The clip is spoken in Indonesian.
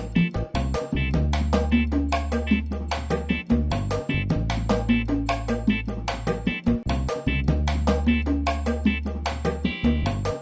paling cuma disiram imas